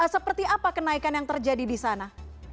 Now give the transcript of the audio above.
seperti apa kenaikan yang terjadi di sana